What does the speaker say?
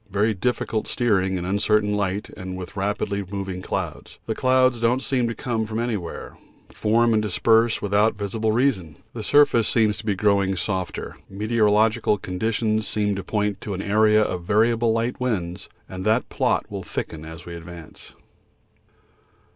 Very difficult steering in uncertain light and with rapidly moving clouds. The clouds don't seem to come from anywhere, form and disperse without visible reason. The surface seems to be growing softer. The meteorological conditions seem to point to an area of variable light winds, and that plot will thicken as we advance.